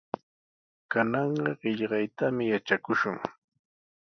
Kananqa qillqaytami yatrakushun.